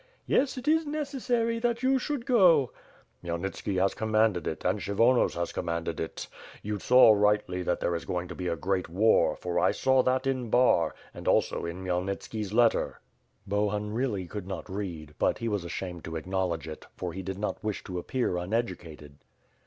"Yes, it is necessary that you should go." "Khmyelnitski has commanded it and Kshyvonos has com manded it. You saw rightly that there is going to be a great war, for I saw that in Bar, and also in Khmyelnitski's letter." Bohun really could not read, but he was ashamed to ac knowledge it, for he did not wish to appear uneducated.